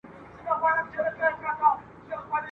زه لکه زېری نا خبره دي پر خوا راځمه ..